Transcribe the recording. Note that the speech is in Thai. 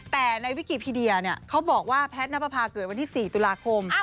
แต่ในวิกิพีเดียเขาบอกว่าแพทย์นับประพาเกิดวันที่๔ตุลาคม